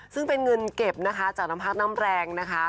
ซึ่งเป็นเงินเก็บนะคะจากน้ำพักน้ำแรงนะคะ